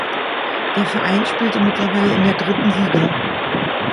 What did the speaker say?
Der Verein spielte mittlerweile in der dritten Liga.